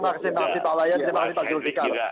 ya terima kasih pak wayan dan pak jurgika